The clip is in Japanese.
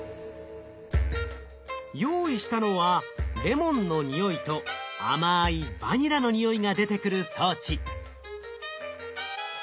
用意したのはレモンの匂いとあまいバニラの匂いが出てくる装置。